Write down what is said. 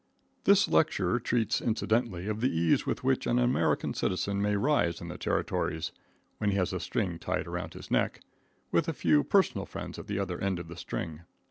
This lecture treats incidentally of the ease with which an American citizen may rise in the Territories, when he has a string tied around his neck, with a few personal friends at the other end of the string.